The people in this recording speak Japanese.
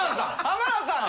浜田さん！